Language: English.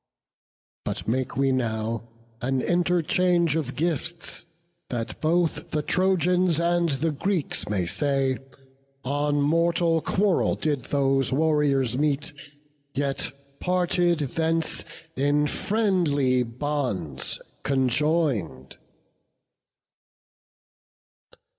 But make we now an interchange of gifts, That both the Trojans and the Greeks may say, 'On mortal quarrel did those warriors meet, Yet parted thence in friendly bonds conjoin'd.